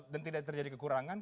dan tidak terjadi kekurangan